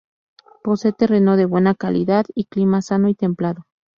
Posee terreno de buena calidad y clima sano y templado.